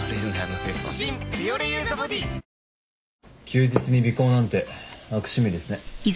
休日に尾行なんて悪趣味ですね。